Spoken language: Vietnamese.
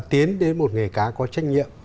tiến đến một nghề cá có trách nhiệm